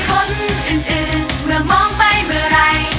คนอื่นเมื่อมองไปเมื่อไหร่